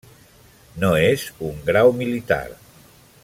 No és un grau militar.